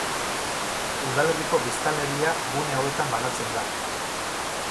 Udalerriko biztanleria gune hauetan banatzen da.